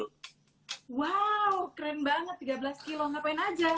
wow keren banget tiga belas kilo ngapain aja